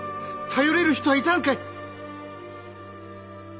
頼れる人はいたのかい？